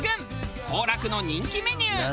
香楽の人気メニュー。